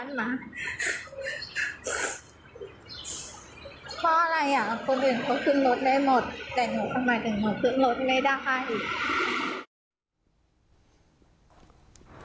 เพราะอะไรคนอื่นเขาขึ้นรถไม่หมดแต่หนูเข้ามาถึงหนูขึ้นรถไม่ได้